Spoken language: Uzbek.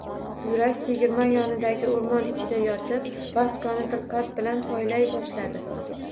Yurash tegirmon yonidagi oʻrmon ichida yotib, Vaskoni diqqat bilan poylay boshladi.